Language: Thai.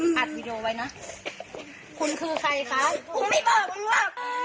เดี๋ยวไปหาของหาอะไรกันนะ